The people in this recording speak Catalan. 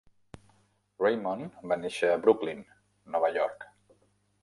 Raymond va néixer a Brooklyn, Nova York.